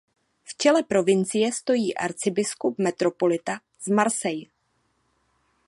V čele provincie stojí "arcibiskup–metropolita z Marseille".